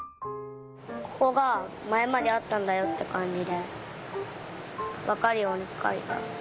ここがまえまであったんだよってかんじでわかるようにかいた。